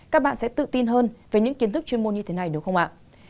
các bạn sẽ tự tin hơn về những kiến thức chuyên môn như thế này đúng không ạ